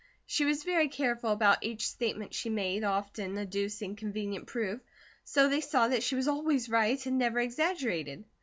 She was very careful about each statement she made, often adducing convenient proof, so they saw that she was always right, and never exaggerated.